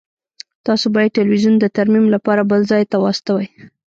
تاسو باید تلویزیون د ترمیم لپاره بل ځای ته واستوئ